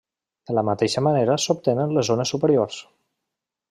De la mateixa manera s'obtenen les zones superiors.